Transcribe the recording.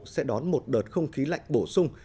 sẽ đón một đợt không khí lạnh bổ sung